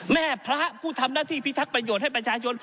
แม่พระผู้ทำหน้าที่พิทักษ์ประโยชน์ให้ประชาชน